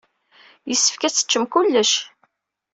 Yessefk ad teččem kullec!